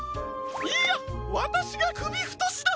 いいやわたしがくびふとしだ！